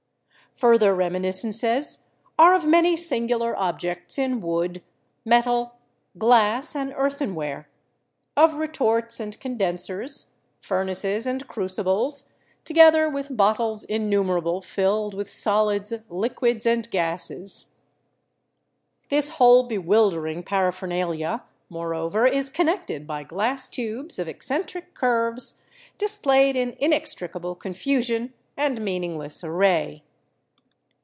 Further reminiscences are of many singular objects in wood, metal, glass and earthen ware; of retorts and condensers, furnaces and crucibles, together with bottles innumerable rilled with solids, liquids and gases. This whole bewildering paraphernalia, more over, is connected by glass tubes of eccentric curves, dis played in inextricable confusion and meaningless array.